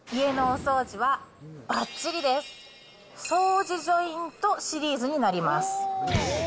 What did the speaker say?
掃除ジョイントシリーズになります。